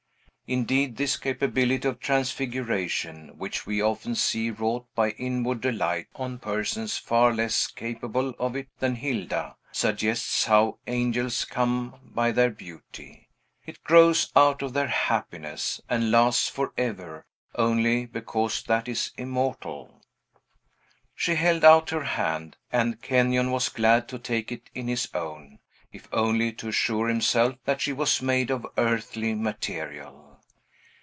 Indeed, this capability of transfiguration, which we often see wrought by inward delight on persons far less capable of it than Hilda, suggests how angels come by their beauty, it grows out of their happiness, and lasts forever only because that is immortal. She held out her hand, and Kenyon was glad to take it in his own, if only to assure himself that she was made of earthly material.